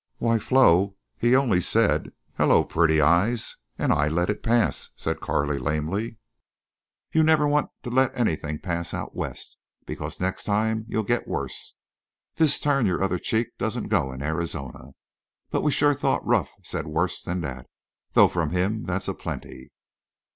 "Why, Flo—he only said, 'Hello, pretty eyes,' and I let it pass!" said Carley, lamely. "You never want to let anything pass, out West. Because next time you'll get worse. This turn your other cheek doesn't go in Arizona. But we shore thought Ruff said worse than that. Though from him that's aplenty."